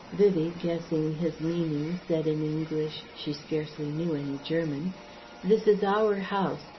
Vivie guessing his meaning said in English she scarcely knew any German: "This is our house.